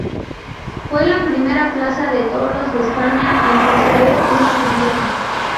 Fue la primera plaza de toros de España en poseer una cubierta.